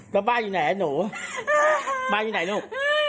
แล้วบ้านอยู่ไหนหนูบ้านอยู่ไหนลูก